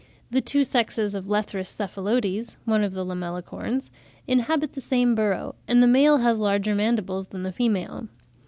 The two sexes of Lethrus cephalotes (one of the Lamellicorns) inhabit the same burrow; and the male has larger mandibles than the female.